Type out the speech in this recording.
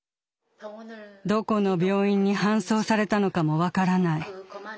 どこの病院に搬送されたのかも分からない。